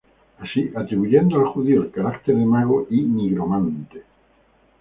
Así, atribuyendo al judío el carácter de "mago" y nigromante.